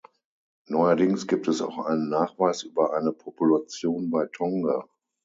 Neuerdings gibt es auch einen Nachweis über eine Population bei Tonga.